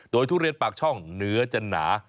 โดยทุเรียนปากช่องเนื้อจะหนา